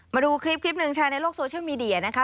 มาดูคลิปหนึ่งแชร์ในโลกโซเชียลมีเดียนะคะ